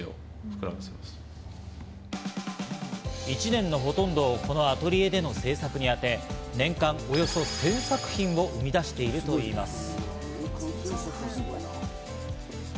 １年のほとんどをこのアトリエでの制作にあて、年間およそ１０００作品を生み出しているといいます。